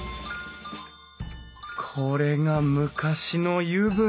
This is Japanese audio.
これが昔の湯船。